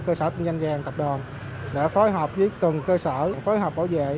cơ sở tình danh vàng tập đồn để phối hợp với từng cơ sở phối hợp bảo vệ